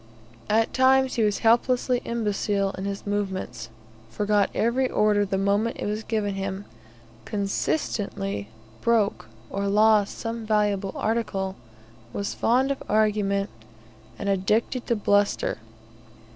At times he was helplessly imbecile in his movements, forgot every order the moment it was given him, consistently broke or lost some valuable article, was fond of argument, and addicted to bluster.